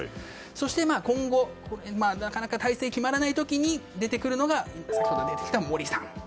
そして今後、なかなか体制が決まらない時に出てくるのが先ほど出てきた森さん。